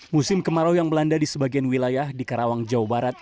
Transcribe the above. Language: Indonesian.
musim kemarau yang melanda di sebagian wilayah di karawang jawa barat